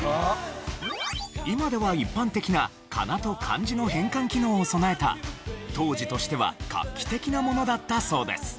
今では一般的なかなと漢字の変換機能を備えた当時としては画期的なものだったそうです。